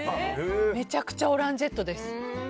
めちゃくちゃオランジェットです。